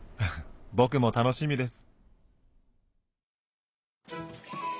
僕も楽しみです。